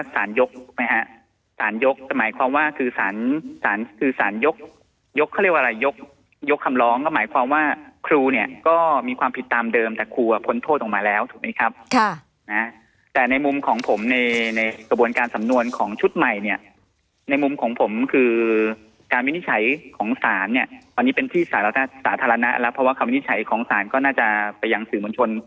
ยกไหมฮะสารยกหมายความว่าคือสารคือสารยกยกเขาเรียกว่าอะไรยกยกคำร้องก็หมายความว่าครูเนี่ยก็มีความผิดตามเดิมแต่ครูอ่ะพ้นโทษออกมาแล้วถูกไหมครับแต่ในมุมของผมในในกระบวนการสำนวนของชุดใหม่เนี่ยในมุมของผมคือการวินิจฉัยของศาลเนี่ยวันนี้เป็นที่สาธารณะแล้วเพราะว่าคำวินิจฉัยของศาลก็น่าจะไปยังสื่อมวลชน